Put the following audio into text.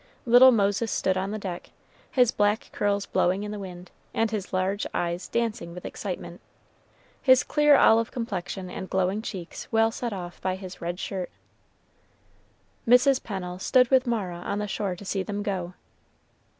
Little Moses stood on the deck, his black curls blowing in the wind, and his large eyes dancing with excitement, his clear olive complexion and glowing cheeks well set off by his red shirt. Mrs. Pennel stood with Mara on the shore to see them go.